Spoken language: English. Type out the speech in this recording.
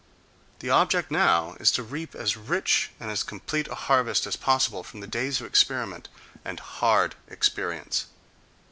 The object now is to reap as rich and as complete a harvest as possible from the days of experiment and hard experience.